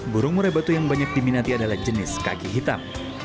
burung murai batu yang banyak diminati adalah jenis kaki hitam